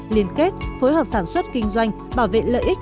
liên kết phối hợp sản xuất kinh doanh bảo vệ lợi ích